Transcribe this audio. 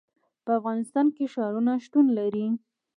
په افغانستان کې ښارونه شتون لري.